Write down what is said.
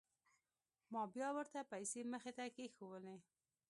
ما بيا ورته پيسې مخې ته كښېښووې.